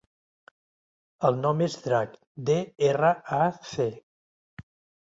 El nom és Drac: de, erra, a, ce.